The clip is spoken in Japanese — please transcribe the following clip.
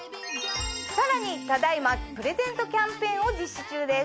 さらにただ今プレゼントキャンペーンを実施中です。